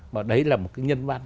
và đấy là một cái nhân văn